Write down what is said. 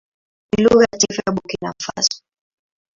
Ni lugha ya taifa ya Burkina Faso.